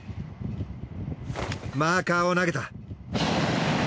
マーカーを投げた！